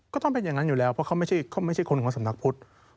ก็ต้องเป็นอย่างนั้นอยู่แล้วเพราะเขาไม่ใช่คนของสำนักพุทธ